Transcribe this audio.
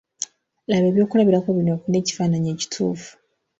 Laba ebyokulabirako bino ofune ekifaananyi ekituufu.